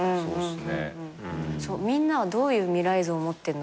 みんなはどういう未来図を持ってるのか気になる。